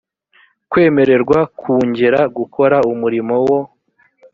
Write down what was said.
kwemererwa kungera gukora umurimo wo